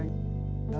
terus terus terus